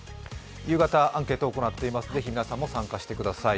夕方アンケートを行っています、ぜひ皆さんも参加してください。